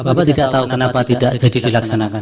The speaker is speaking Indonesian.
bapak tidak tahu kenapa tidak jadi dilaksanakan